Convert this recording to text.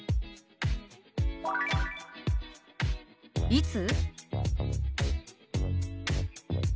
「いつ？」。